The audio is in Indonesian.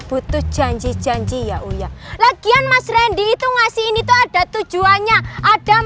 butuh janji janji ya uya lagian mas randy itu ngasih ini tuh ada tujuannya ada maksudnya kalau